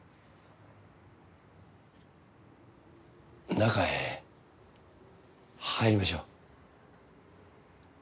中へ入りましょう。